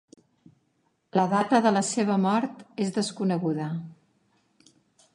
La data de la seva mort és desconeguda.